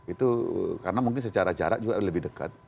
itu karena mungkin secara jarak juga lebih dekat